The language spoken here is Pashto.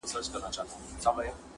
موړ د وږي په حال څه خبر دئ؟